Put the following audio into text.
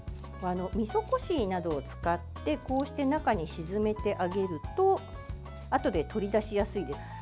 みそこしなどを使ってこうして中に沈めてあげるとあとで取り出しやすいです。